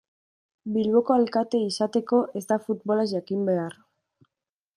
Bilboko alkate izateko ez da futbolaz jakin behar.